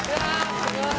すごい。